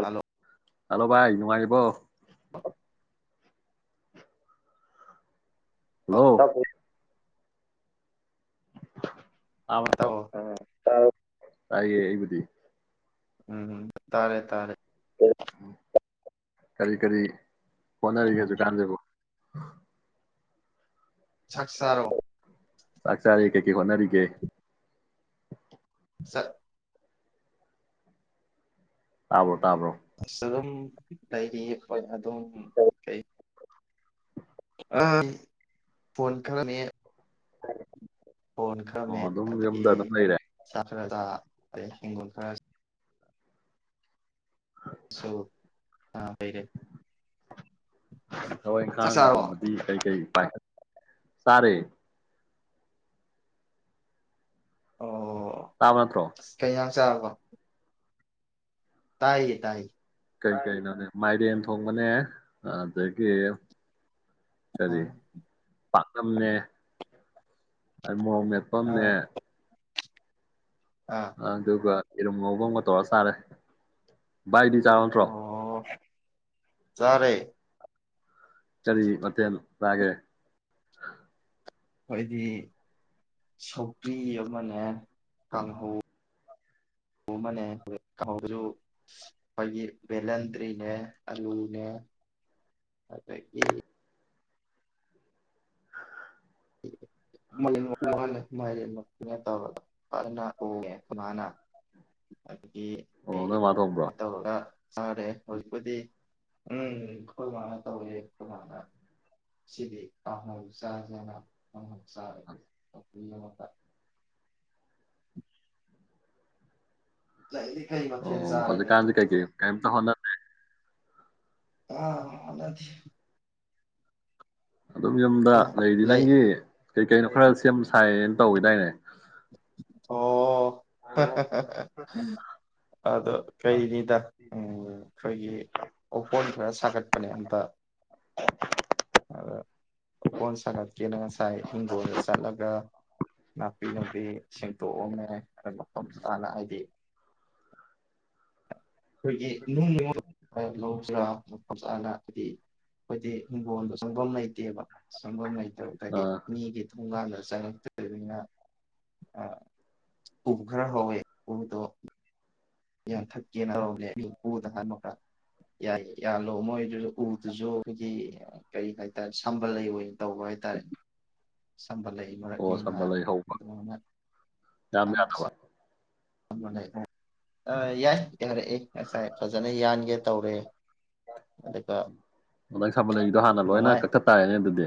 hello hello ꯚꯥꯏ ꯅꯨꯡꯉꯥꯏꯔꯤꯕꯣ [inaudible] hello ꯑꯀꯣ ꯇꯥꯕꯣ ꯍꯥꯏꯏ ꯑꯩꯕꯗꯤ ꯎꯝ ꯇꯥꯔꯦ ꯇꯥꯔꯦ ꯀꯔꯤ ꯀꯔꯤ ꯑ ꯄꯟꯔꯒꯤꯛꯦ ꯑꯗꯨꯁꯨ ꯀꯥꯟꯗꯖꯕꯨ ꯍꯥ ꯆꯛꯁꯔꯣ ꯆꯆꯥꯔ ꯀꯩ ꯀꯩ ꯍꯣꯅꯔꯤꯒꯦ ꯁꯥ ꯇꯥꯕꯣ ꯇꯥꯕꯣ ꯑꯁ ꯑꯗꯨꯝ ꯂꯩꯔꯤ ꯍꯣꯏ ꯑꯗꯨꯝ ꯀꯩ ꯑ ꯐꯣꯟ ꯈꯔꯃꯦꯠ [inaudible] ꯐꯣꯟ ꯑꯣ ꯈꯔꯃꯦꯠ ꯑꯗꯨꯝ ꯑꯗꯒꯤ ꯌꯨꯝꯗ ꯑꯗꯨꯝ ꯂꯩꯔꯦ ꯈꯔꯗ ꯑꯗꯩ ꯍꯦꯡꯒꯣꯜ ꯈꯔ ꯆꯥꯛ ꯆꯔꯥꯕꯣ ꯇꯥꯔꯦ ꯇꯥꯕ ꯅꯠꯇ꯭ꯔꯣ ꯆꯥꯛ ꯆꯥꯔꯥꯕꯣ ꯇꯥꯏꯌꯦ ꯇꯥꯏꯌꯦ ꯀꯩ ꯀꯩꯅꯣꯅꯦ ꯃꯥꯏꯔꯦꯟ ꯊꯣꯡꯕꯅꯦ ꯑꯗꯒꯤ ꯀꯔꯤ ꯑꯥ ꯄꯥꯝꯅꯝꯅꯦ ꯑꯥ ꯃꯣꯡꯔꯣꯛ ꯃꯦꯠꯄꯅꯦ ꯑꯥ ꯑꯥ ꯑ ꯑꯗꯨꯒ ꯌꯦꯔꯣꯝ ꯉꯧꯕꯥ ꯃꯒ ꯇꯧꯔ ꯆꯔꯦ ꯕꯏꯗꯤ ꯆꯔꯥꯕ ꯅꯠꯇꯔꯣ ꯆꯔꯦ ꯀꯔꯤ ꯃꯇꯊꯦꯟ ꯔꯒꯦ ꯑꯩꯈꯣꯏꯗꯤ ꯁꯧꯀ꯭ꯔꯤ ꯑꯃꯅꯦ ꯀꯥꯡꯍꯧ ꯑꯃꯅꯦ ꯀꯥꯡꯍꯧꯁꯨ ꯑꯩꯈꯣꯏꯒꯤ ꯚꯦꯂꯟꯗ꯭ꯔꯤꯅꯦ ꯑꯂꯨꯅꯦ ꯑꯗꯒꯤ [inaudible] ꯃꯂ ꯃꯥꯔ ꯐꯖꯅꯥ ꯊꯣꯉꯏ ꯏꯃꯥꯅ ꯒꯤ ꯑꯣ ꯀꯩꯒꯤ ꯅꯣꯏ ꯃꯥ ꯊꯣꯡꯕ꯭ꯔꯣ ꯀꯃꯥꯏ ꯇꯧꯔꯒ ꯆꯥꯔꯦ ꯍꯧꯖꯤꯛꯄꯨꯗꯤ ꯎꯝ ꯑꯩꯈꯣꯏ ꯃꯥꯅ ꯇꯧꯋꯦ ꯑꯩꯈꯣꯏ ꯃꯥꯅ ꯁꯤꯗꯤ ꯀꯥꯡꯍꯧ ꯆꯥꯖꯥꯅ ꯑ ꯆꯥꯔꯦ ꯁꯧꯒꯔ꯭ꯦ ꯑꯃꯒꯥ ꯂꯩꯔꯤ ꯀꯩ ꯃꯊꯦꯜ ꯆꯥꯔꯒꯦ ꯍꯣꯅꯗꯦ ꯑꯥ ꯍꯣꯠꯅꯗꯦ ꯑꯗꯨꯝ ꯌꯨꯝꯗ ꯂꯩꯔꯤꯗꯤ ꯂꯩ ꯅꯪꯒꯤ ꯀꯩ ꯀꯩꯅꯣ ꯈꯔ ꯁꯦꯝ ꯁꯥꯏꯅ ꯇꯧꯏꯗꯥꯏꯅꯦ ꯑꯣ ꯑꯗꯣ ꯀꯔꯤꯅꯤꯗ ꯑꯩꯈꯣꯏꯒꯤ ꯎꯀꯣꯟ ꯈꯔ ꯁꯥꯒꯠꯄꯅꯦ ꯍꯟꯇ ꯑꯗ ꯎꯀꯣꯟ ꯁꯥꯒꯠꯀꯦꯅ ꯉꯁꯥꯏ ꯏꯤꯡꯒꯣꯜꯗ ꯆꯠꯂꯒ ꯅꯥꯄꯤ ꯅꯨꯪꯄꯤ ꯁꯦꯡꯇꯣꯛꯑꯝꯃꯦ ꯈꯔꯥ ꯃꯐꯝ ꯆꯥꯅ ꯍꯥꯏꯗꯤ ꯑꯩꯈꯣꯏꯒꯤ ꯅꯨꯡ ꯂꯧꯁꯤꯔꯥ ꯃ ꯆꯥꯅ ꯍꯥꯏꯗꯤ ꯑꯩꯈꯣꯏꯗꯤ ꯍꯤꯡꯒꯣꯜꯗꯣ ꯆꯪꯐꯝ ꯂꯩꯇꯦꯕ ꯆꯪꯐꯝ ꯂꯩ ꯑꯣ ꯍꯤꯗꯤ ꯑꯥ ꯃꯤꯒꯤ ꯊꯣꯡꯀꯥꯟꯗ ꯆꯪꯉꯛꯇꯕꯅꯤꯅ ꯎꯕ ꯈꯔ ꯍꯧꯋꯦ ꯎꯗꯣ ꯌꯥ ꯊꯛꯀꯦꯅ ꯇꯧꯕꯅꯦ ꯎꯗ ꯍꯥꯟꯕ ꯈ ꯌꯥꯏ ꯌꯥꯜꯂꯣ ꯃꯣꯏꯁꯨ ꯎꯗꯨꯁꯨ ꯑꯩꯈꯣꯏꯒꯤ ꯀꯔꯤ ꯍꯥꯏꯇꯥꯔꯦ ꯁꯝꯕꯜ ꯂꯩ ꯑꯣꯏꯅ ꯇꯧꯕ ꯍꯥꯏꯇꯥꯔꯦ ꯁꯝꯕꯜ ꯂꯩꯐ ꯑꯩ ꯑꯣ ꯃꯔꯛꯅꯦꯅ ꯁꯝꯕꯜ ꯂꯩ ꯍꯧꯕ ꯑꯗꯨꯃꯥꯏꯅ ꯌꯥꯝ ꯌꯥꯗꯕ ꯑ ꯌꯥꯏ ꯌꯥꯔꯛꯑꯦ ꯉꯁꯥꯏ ꯐꯖꯅ ꯌꯥꯟꯒꯦ ꯇꯧꯔꯦ ꯑꯗꯨꯒ ꯅ ꯅꯪ ꯁꯃꯜꯂꯒꯤꯗꯣ ꯍꯥꯟꯅ ꯂꯣꯏꯅ ꯑꯗꯨꯃꯥꯏ ꯀꯛꯊꯠ ꯇꯥꯔꯦꯅꯦ ꯑꯗꯨꯗꯤ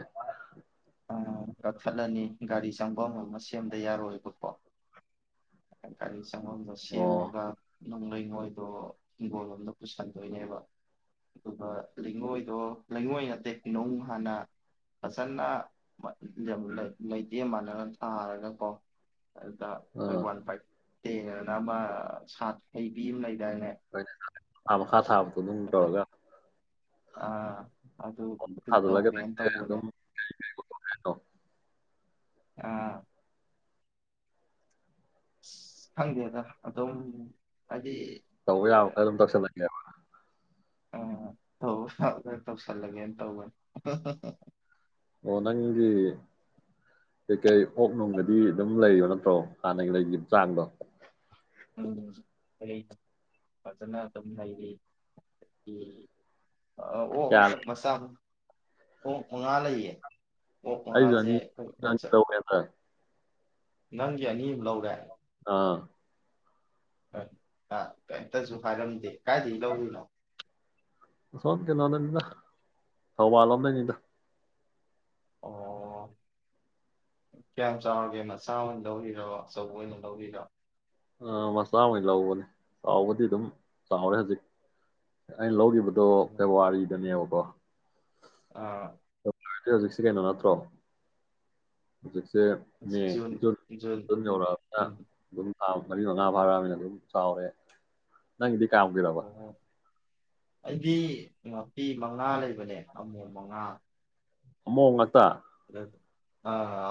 ꯀꯛꯊꯠꯂꯅꯤ ꯒꯥꯔꯤ ꯆꯪꯕꯝ ꯑꯃ ꯑꯃ ꯁꯦꯝꯗ ꯌꯥꯔꯣꯏꯕꯀꯣꯒꯥꯔꯤ ꯆꯗꯁ ꯑꯣ ꯃꯒ ꯅꯨꯡ ꯂꯩꯉꯣꯏꯗꯣ ꯍꯤꯡꯒꯣꯜꯂꯣꯝꯗ ꯄꯨꯁꯟꯗꯣꯏꯅꯦꯕ ꯑꯗꯨꯒ ꯂꯩꯉꯣꯏꯗꯣ ꯂꯩꯉꯣꯏ ꯅꯠꯇꯦ ꯅꯨꯡ ꯍꯥꯟꯅ ꯐꯖꯅ ꯂꯩꯇꯦꯝ ꯃꯥꯟꯅꯔꯒ ꯊꯥꯔꯒꯀꯣ ꯑꯗꯨꯗ ꯑꯩꯈꯣꯏ ꯑꯥ ꯋꯥꯟ ꯐꯥꯏꯚ ꯦꯡꯅ ꯑꯃ ꯁꯥ ꯍꯩꯕꯤ ꯂꯩ ꯍꯣꯏ ꯊꯥ ꯃꯈꯥ ꯊꯥꯕꯗꯣ ꯑꯗꯨꯝ ꯑꯗꯨ ꯇꯧꯔꯒ ꯑꯥ ꯑꯗꯨ ꯑꯗꯨ ꯇꯧꯒꯦꯅ ꯇꯧꯕꯅꯦ ꯑꯣ ꯑꯥ ꯍꯪꯦ ꯑꯗ ꯑꯗꯣꯝ ꯇꯧ ꯌꯥꯝꯃꯒ ꯑꯗꯨꯝ ꯇꯧꯁꯜꯂꯛꯒꯦ ꯎꯝ ꯇꯧ ꯈꯔ ꯇꯧꯁꯜꯂꯒꯦꯅ ꯇꯧꯕꯅꯤ ꯑꯣ ꯅꯪꯒꯤ ꯀꯩꯀꯩ ꯑꯣꯛ ꯅꯨꯡꯒꯗꯤ ꯑꯗꯨꯝ ꯂꯩꯔꯣ ꯅꯠꯇ꯭ꯔꯣ ꯍꯥꯟꯅꯒꯤ ꯂꯩꯒꯤꯈꯤꯕ ꯆꯥꯡꯗꯣ ꯎꯝ ꯍ ꯐꯖꯅ ꯑꯗꯨꯝ ꯂꯩꯔꯤ ꯑ ꯑꯣ ꯀꯌꯥ ꯃꯁꯥ ꯑꯣ ꯃꯉꯥ ꯂꯩꯌꯦ ꯑꯣꯛ ꯃꯉꯥꯁꯦ ꯑꯩꯖꯅꯤ ꯑꯩꯈꯣꯏ ꯃꯆꯥ ꯇ ꯅꯪꯒꯤ ꯑꯅꯤ ꯑꯃ ꯂꯧꯔꯦ ꯑꯥ ꯍ ꯀꯩꯝꯇꯁꯨ ꯐꯥꯏꯔꯝꯗꯦ ꯀꯥꯏꯗꯒꯤ ꯂꯧꯗꯣꯏꯅꯣ ꯁ ꯀꯅꯅꯅꯤ ꯍꯋꯥ ꯂꯣꯅꯅꯤꯗ ꯑꯣ ꯀꯌꯥꯝ ꯆꯥꯎꯒꯦ ꯃꯆꯥ ꯑꯣꯏꯅ ꯂꯧꯔꯤꯔꯣ ꯑꯆꯧꯕ ꯑꯣꯏꯅ ꯂꯧꯔꯤꯔꯣ ꯑ ꯃꯆꯥ ꯍ ꯂꯧꯕꯅꯦ ꯆꯥꯎꯕꯗꯤ ꯑꯗꯨꯝ ꯆꯥꯎꯔꯦ ꯍꯧꯖꯤꯛ ꯑꯩꯅ ꯂꯧꯈꯤꯕꯗꯣ ꯐꯦꯕꯋꯥꯔꯤꯗꯅꯦꯕ ꯋꯥ ꯑꯥ ꯍꯧꯖꯤꯛꯁꯦ ꯀꯩꯅꯣ ꯅꯠꯇ꯭ꯔꯣ ꯍꯧꯖꯤ ꯖꯨꯟ ꯖꯨꯟ ꯃ ꯂꯥꯛꯑ ꯎꯝ ꯑꯗꯨ ꯃꯔꯤ ꯃꯉꯥ ꯐꯥꯔꯃꯤꯅ ꯑꯗꯨꯝ ꯆꯥꯎꯔꯦ ꯅꯪꯒꯤꯗꯤ ꯀꯝꯒꯔꯕꯕ ꯑꯗꯨꯗꯤ ꯐꯤ ꯃꯉꯥ ꯂꯩꯕꯅꯦ ꯑꯃꯣ ꯃꯉꯥ ꯑꯝꯃꯣꯝ ꯉꯥꯛꯇ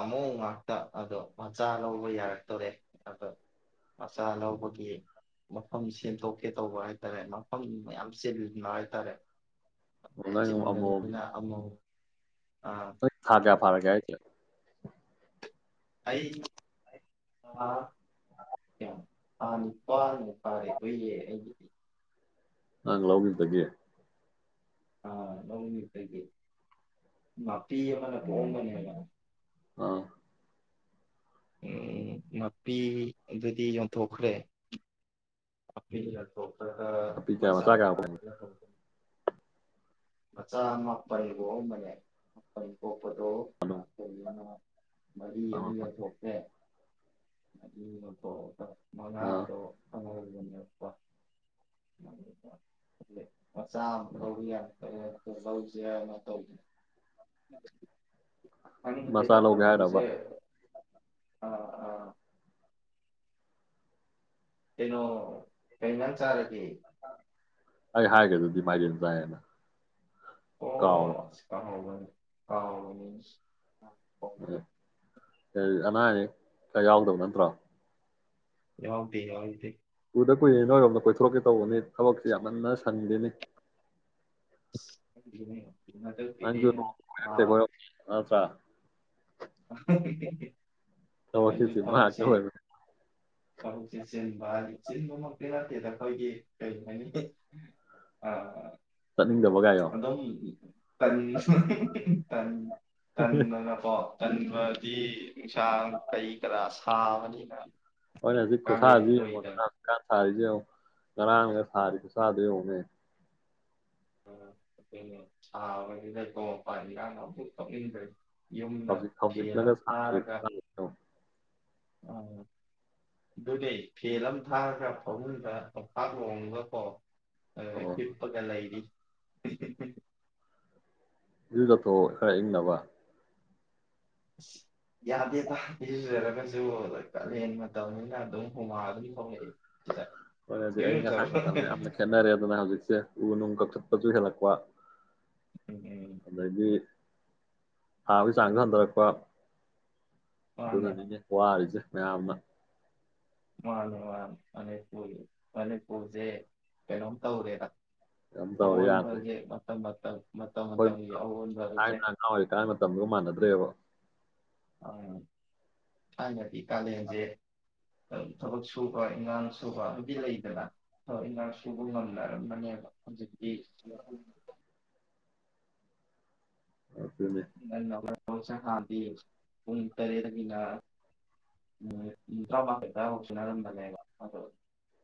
ꯑꯃꯨꯛ ꯉꯥꯛꯇ ꯑꯗꯣ ꯃꯆꯥ ꯂꯧꯕ ꯌꯥꯔꯛꯇꯣꯔꯦ ꯑꯗꯣ ꯃꯆꯥ ꯂꯧꯕꯒꯤ ꯃꯐꯝ ꯁꯦꯝꯇꯣꯛ ꯁꯦꯝꯦ ꯇꯧꯕ ꯍꯥꯏ ꯇꯔꯦ ꯃꯐꯝ ꯃꯌꯥꯝ ꯆꯕ ꯍꯥꯏ ꯇꯔꯦ ꯑꯣ, ꯅꯪ ꯑꯃꯣꯝ ꯆꯤꯟꯗꯅ ꯑꯃꯕꯨ ꯑꯥ ꯐꯔꯒꯦ ꯊ ꯑꯩ ꯀ ꯑꯥ ꯅꯤꯄꯥꯥꯟꯜꯅꯦ ꯄꯥꯔꯦ ꯑꯩꯈꯏ ꯑꯩꯒꯤꯗꯤ ꯅꯥꯡ ꯂꯥꯎꯒ ꯇꯒꯦ ꯑꯥ ꯅ ꯃꯥꯄꯤꯤ ꯃꯅꯦ ꯍꯣꯕꯅꯤ ꯍꯥꯏ ꯃꯥꯅꯤ ꯑꯥ ꯎ ꯅꯥꯄꯤ ꯑꯗꯨꯗꯤ ꯌꯣꯟꯊꯣꯛꯈ꯭ꯔꯦ ꯑ ꯌꯥꯣ ꯑꯄꯤ ꯀꯌꯥ ꯃꯆꯥ ꯀꯌꯥ ꯃꯆꯥꯆꯥ ꯃꯥꯄꯅꯤꯕꯣ ꯃꯅꯦ ꯃꯄꯅꯤꯕꯣ ꯄꯗꯣ ꯍꯂꯣ ꯑ ꯃꯔꯤ ꯑꯅꯤ ꯂꯧꯊꯣꯛꯇꯦ ꯑ ꯑꯥ ꯃꯗꯣ ꯄ ꯃꯆꯥ ꯑꯃ ꯂꯧꯕ ꯌꯥꯅꯤ ꯐꯩ ꯆ ꯂꯧꯧꯁꯦ ꯅꯠꯇꯧ ꯀꯅꯤ ꯄꯦ ꯃꯆꯥ ꯂꯧꯒꯦ ꯍꯥꯏꯔꯕ ꯇꯥꯛꯠꯇꯕꯕꯁꯦ ꯑꯥ ꯑꯥ ꯇꯩꯅꯣ ꯀꯩꯅ ꯅ ꯆꯔꯦ ꯎꯝ ꯑꯦ ꯍꯥꯏꯒꯦ ꯑꯗꯨꯗꯤ ꯃꯥꯒꯤꯦ ꯆꯅ ꯑꯣ ꯀꯣ ꯑ ꯃꯅꯤ ꯎ ꯑꯅꯥ ꯑꯌꯦꯛ ꯈꯌꯥ ꯌꯥꯎꯗꯕ ꯅꯠꯇ꯭ꯔꯣ ꯌꯎꯗꯤꯦ ꯍꯎꯗꯤꯦ ꯑꯗ ꯀꯨꯏꯦ ꯅꯣꯏꯔꯣꯝꯅ ꯀꯣꯏꯊꯣꯔꯛꯀꯦ ꯇꯧꯕꯅꯤ ꯊꯕꯛꯁꯦ ꯌꯥꯝꯃꯟꯅ ꯁꯟꯒꯦꯅꯤ [inaudible] ꯍꯟꯗꯛꯀꯤꯗꯤ ꯅꯪꯖꯆꯥ [inaudible] ꯊꯕꯛꯀꯤ ꯑꯩꯁꯨ ꯆꯤꯟꯕ ꯉꯥꯛꯇ ꯐꯕꯛꯁꯦ ꯑꯣꯏꯕꯅꯤ ꯐꯕꯛꯁꯦ ꯆꯦꯟꯕꯜꯂꯤ ꯆꯤꯟꯕꯃꯛꯇꯤ ꯂꯇꯦꯗ ꯑꯩꯈꯣꯏꯒꯤ ꯀꯔꯤ ꯍꯥꯏꯅꯤ ꯆꯠꯅꯤꯡꯗꯕꯒꯥꯏꯌꯣ ꯑꯝ ꯇꯟ ꯇꯟꯅꯅꯄꯣ ꯀꯟꯕꯗꯤ ꯅꯨꯡꯁꯥꯡ ꯀꯩ ꯀꯔꯥ ꯁꯥꯕꯅꯤꯅ ꯍ ꯍꯧꯖꯤꯛꯀ ꯀꯥꯂꯦꯟ ꯁꯥꯁꯤ ꯌꯦꯡꯉꯣꯗ ꯑꯣꯏꯗꯅ ꯀꯥꯟ ꯁꯥꯔꯤ ꯉꯔꯥꯡ ꯍꯔ ꯈꯨꯁꯥꯗꯦ ꯍꯧꯅꯦ ꯗꯉꯄꯗ ꯐꯞꯖꯤ ꯂꯒ ꯈ ꯑ ꯑꯗꯨꯗꯤ ꯐꯦꯟ ꯑꯃ ꯊꯥꯔꯒ ꯐꯟꯒ ꯄꯝꯐꯥ ꯂꯣꯡꯉꯒꯀꯣ ꯑ ꯑꯣ ꯏꯄ ꯀ ꯂꯥꯏꯗꯤ [unintelligible] ꯏꯗ ꯊꯣ ꯈꯔ ꯏꯪꯅꯕ ꯑꯁ ꯌꯥꯗꯦ ꯇꯥꯗꯤ ꯁꯨꯖꯔꯒꯁꯨ ꯀꯥꯂꯦꯟ ꯃꯇꯝꯅꯤꯅꯤꯅ ꯑꯗꯨꯝ ꯍꯨꯃꯥꯡ ꯑꯗꯨꯝ ꯊꯣꯛꯂꯛꯑꯦ ꯍꯣꯏ ꯍꯧꯖꯤꯛ ꯑꯩ ꯉꯁꯥꯏ ꯃꯇꯝꯁꯦ ꯌꯥꯝꯅ ꯈꯦꯠꯅꯔꯦꯗꯅ ꯍꯧꯖꯤꯛꯁꯦ ꯎꯅꯨꯡ ꯀꯛ ꯁꯨ ꯍꯦꯜꯂꯛꯄ ꯎꯝ ꯎꯝ ꯑꯗꯒꯤ ꯊꯥꯕꯒꯤ ꯆꯥꯡꯁꯨ ꯍꯟꯊꯔꯛꯄ ꯃꯥꯅꯦ ꯅꯅꯤꯅꯦ ꯀꯣꯋꯥꯔꯤꯁꯦ ꯑꯃ ꯃꯥꯅꯤ ꯃꯥ ꯑꯅꯤ ꯄ ꯃꯅꯤ ꯄꯨꯁꯦ ꯀꯩꯅꯣ ꯇꯧꯗꯦ ꯑꯟ ꯐꯖꯦ ꯃ ꯑꯥ ꯍꯣꯏ ꯊꯥꯏꯅ ꯑꯉꯥꯡ ꯑꯣꯏꯔꯤꯀꯥꯟ ꯃꯇꯝꯗꯨꯒ ꯃꯥꯟꯅꯗ꯭ꯔꯦꯕ ꯊꯥꯏꯅꯗꯤ ꯀꯥꯂꯦꯟꯁꯦ ꯊꯕꯛ ꯁꯨꯕ ꯏꯪꯉꯥꯡ ꯁꯨꯕ ꯑꯗꯨꯗꯤ ꯂꯩꯗꯅ ꯊꯕꯛ ꯏꯟꯉꯥꯡ ꯁꯨꯕ ꯉꯝꯅꯔꯝꯕꯅꯦꯕ ꯍꯧꯖꯤꯛꯇꯤ ꯑꯗꯨꯅꯦ ꯑ ꯁ ꯈꯥꯟꯗꯤ ꯎꯟ ꯇꯔꯦꯗꯒꯤꯅ ꯎ ꯏ ꯀꯕ ꯂ ꯍꯁꯨꯅꯥ ꯑꯗꯨꯝ ꯊꯕ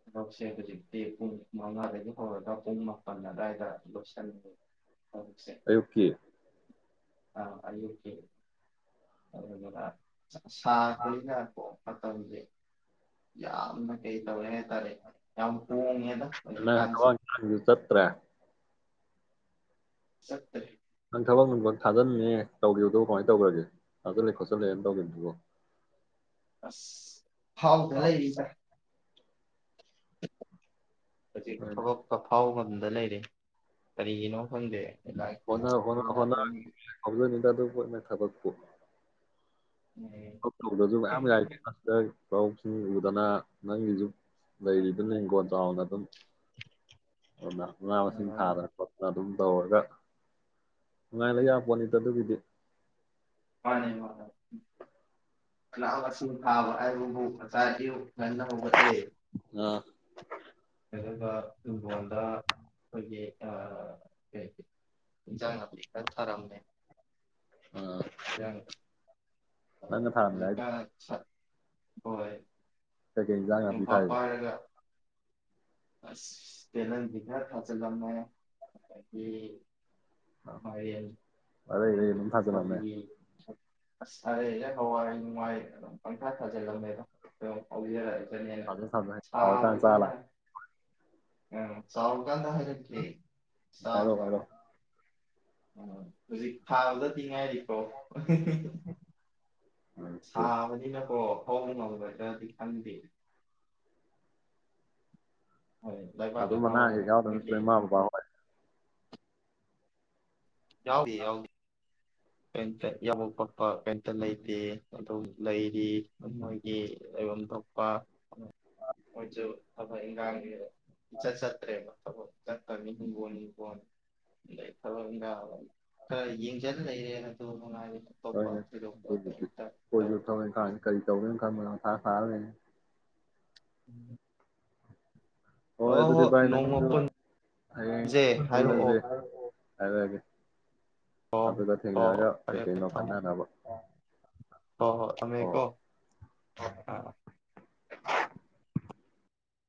ꯊꯕꯛꯁꯦ ꯍꯧꯖꯤꯛꯇꯤ ꯄꯨꯡ ꯃꯉꯥꯗꯒꯤ ꯍꯧꯔꯒ ꯄꯨꯡ ꯃꯥꯄꯜ ꯑꯗꯨꯗꯥꯏꯗ ꯂꯣꯏꯁꯟꯉꯦ ꯑꯌꯨꯛꯀꯤ ꯑ ꯑꯦ ꯁꯥꯅꯀꯣ ꯑꯠꯇꯖꯦ ꯌꯥꯝꯅ ꯀꯩ ꯇꯧꯦ ꯍꯥꯏꯇꯥꯔꯦ ꯌꯥꯝ ꯍꯣꯡꯉꯦꯗ ꯍꯧꯖꯤꯛꯀꯥꯟꯁꯦ ꯀ ꯇ꯭ꯔꯦ ꯁꯠꯇꯦ ꯅꯪ ꯊꯕꯛ ꯅꯨꯡꯈꯛ ꯊꯥꯖꯤꯟꯅꯦꯦ ꯇꯧꯈꯤꯕꯦꯗ ꯀꯃꯥꯏꯅ ꯇꯧꯈ꯭ꯔꯒꯦ ꯊꯥꯖꯜꯂꯦ ꯈꯣꯆꯤꯜꯂꯦꯅ ꯇꯧꯒꯦꯗꯨꯕꯨꯣ ꯑ ꯍꯥꯎꯗꯂꯖ ꯍꯧꯖꯤꯛ ꯍꯣꯏꯅꯦ ꯊꯕꯛꯀ ꯐꯥꯎꯕ ꯂꯩꯔ ꯀꯔꯤꯒꯤꯅꯣ ꯈꯪꯗꯦ ꯂꯥꯏꯔꯤꯛꯁꯦ ꯍꯣꯅꯥ ꯍꯣꯅ ꯐꯖꯅ ꯍꯣꯅ ꯑꯗꯨꯝ ꯆꯥꯗꯕꯃꯦ ꯊꯥꯕꯛꯄꯣ ꯃꯥꯅꯦ ꯐ ꯐꯔ ꯀꯥꯎꯁꯤꯡꯅ ꯎꯗꯥꯟ ꯅꯪꯉꯖꯨ ꯂꯗꯤꯡꯣ ꯎꯒ ꯑꯗꯨ ꯅꯅꯥꯥꯁꯤꯝ ꯊꯥꯗꯅꯄ ꯑꯗꯨꯝ ꯇꯧꯔꯒ ꯅꯨꯡꯉꯥꯏꯅ ꯌꯥꯄꯣꯠꯅꯤꯗ ꯑꯗꯨꯒꯤꯗꯤ ꯑ ꯊꯕ ꯁꯥꯨ ꯅ ꯃꯄꯠꯇꯦ ꯑꯥ ꯑꯗꯨꯒ ꯂꯨꯝꯕꯣꯟꯗ ꯑꯩꯈꯣꯏꯒꯤ ꯀ ꯏꯟꯖꯥꯡ ꯅꯥꯄꯤ ꯈꯔ ꯊꯥꯔꯝꯃꯦ ꯑꯥ ꯅꯪꯅ ꯊꯥꯔꯝꯃꯦ ꯍꯥꯏꯗꯣ ꯖꯤꯀꯥ ꯍꯣꯏ ꯇꯀ ꯏꯜꯖꯥꯡꯌꯥ ꯌꯣꯡꯄꯥꯛ ꯊꯥꯏ ꯄꯥꯏꯔꯒ ꯑꯁ ꯇꯂꯪꯖꯤꯅ ꯊꯖꯂꯝꯅꯗꯒꯤ ꯑꯔꯌꯦ ꯑꯔꯩ ꯅꯪ ꯊꯥꯖ ꯂꯃꯦ ꯑꯁ ꯑꯔꯦ ꯍ ꯍꯋꯥꯏ ꯅꯨꯡꯉꯥꯏ ꯑꯗꯨꯝ ꯄꯪꯊꯥ ꯊꯥꯖꯤꯜꯂꯝꯃꯦꯗꯣ ꯍꯧꯖꯔꯛꯏꯦ ꯊꯥꯖ ꯊꯥꯖ ꯑ ꯆꯥꯎꯔꯀꯥꯟ ꯆꯥ ꯂꯥꯛꯑꯦ ꯑ ꯆꯥꯎꯥꯎ ꯥꯟꯗ ꯍꯥꯏꯔꯦ ꯍꯥꯏꯔꯣ ꯆꯕ ꯍꯥꯏꯔꯣ ꯑꯣ ꯍꯧꯖꯤꯛ ꯊꯥꯎꯗꯗꯤ ꯉꯥꯏꯔꯤ ꯑꯣ ꯍꯤ ꯍꯤ [inaudible] ꯎꯝ ꯁꯥꯕꯅꯤ ꯅꯀ꯭ꯔꯣ ꯐꯧꯕ ꯉꯝꯗ ꯈ꯭ꯔꯗꯤ ꯈꯪꯗꯦ ꯍꯣꯏ ꯂꯩꯕꯥꯛ ꯂꯩꯍꯥꯎ ꯑꯗꯨꯝꯕꯅꯥꯑꯦ ꯀꯗꯦ ꯑꯩꯈꯣꯏꯒꯤ ꯃꯥꯕꯨꯕ ꯌꯥꯎꯗꯤ ꯌꯥꯎꯗꯤ ꯄꯦꯟꯇ ꯌꯥꯕ ꯄꯣꯠꯄ ꯄꯦꯟꯇ ꯂꯩꯇꯦ ꯑꯗꯨ ꯂꯩꯔꯤ ꯃꯣꯏꯒꯤ ꯂꯩꯐꯝ ꯊꯣꯛꯄ ꯍꯣꯏꯁꯨ ꯊꯕꯛ ꯏꯟꯈꯥꯡꯒꯤ ꯏꯆꯠ ꯆꯠꯇ꯭ꯔꯦꯕ ꯊꯕꯛ ꯆꯀꯅꯤ ꯍꯤꯡꯒꯣꯜ ꯍꯤꯡꯈꯣꯜ ꯑꯗꯩ ꯊꯕꯛ ꯏꯪꯈꯥꯡ ꯈꯔ ꯌꯦꯡꯖꯅ ꯂꯩꯔꯦꯅ ꯑꯗꯨ ꯅꯨꯡꯉꯥꯏꯔ ꯍ ꯑꯗꯨꯗꯤ ꯀꯣꯏꯁꯨ ꯇꯧꯗꯦ ꯊꯧꯋꯦ ꯀꯥꯟꯅꯤ ꯀꯔꯤ ꯇꯧꯒꯦꯅ ꯈꯟꯕ ꯑꯥ ꯐꯥꯎ ꯎꯝ ꯍꯣꯏ ꯑꯗꯨꯗꯤ ꯚꯥꯏ ꯅꯣꯡꯃ ꯅꯪꯗ ꯄꯨꯟꯁꯦ ꯍꯥꯏꯔꯛꯑꯣ ꯍꯌꯦꯡꯂꯁꯦ ꯑꯗ ꯑꯗꯨꯦ ꯑꯣ ꯑꯗꯨꯗ ꯍꯣ ꯊꯦꯡꯅꯔꯒ ꯀꯩꯀꯩꯅꯣ ꯈꯟꯅꯅꯕ ꯍ ꯍꯣ ꯇꯃꯦ ꯍꯣꯏ ꯀꯣ ꯑ